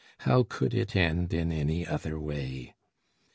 How could it end in any other way?